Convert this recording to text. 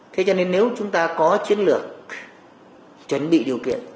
thế cho nên nếu chúng ta có chiến lược chuẩn bị điều kiện